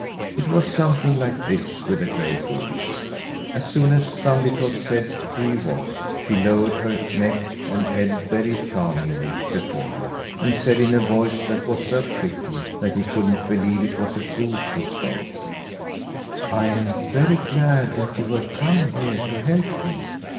It was something like this with the gray goose. As soon as Thumbietot said who he was, she lowered her neck and head very charmingly before him, and said in a voice that was so pretty that he couldn't believe it was a goose who spoke: "I am very glad that you have come here to help me.